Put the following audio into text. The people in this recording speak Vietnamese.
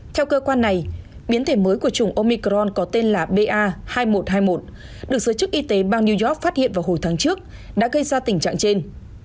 theo cơ quan này biến thể mới của chủng omicron có tên là ba hai nghìn một trăm hai mươi một được giới chức y tế bang new york phát hiện vào hồi tháng trước đã gây ra tình trạng trên